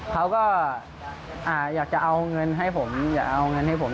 เขาก็อยากจะเอาเงินให้ผมอยากเอาเงินให้ผม